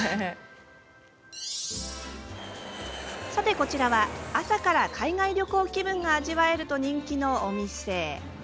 こちらは、朝から海外旅行気分が味わえると人気のお店。